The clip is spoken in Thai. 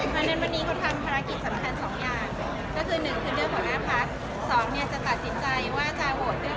แต่อยากจะมาให้กำลังใจสนับสนุทธ์ที่รักษาสนับสนับแล้วก็หลักการ